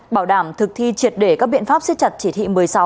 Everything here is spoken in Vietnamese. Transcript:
bảo đảm thực thi triệt để các biện pháp siết chặt chỉ thị một mươi sáu